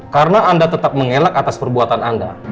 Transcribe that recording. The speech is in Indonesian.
karena anda tetap mengelak atas perbuatan anda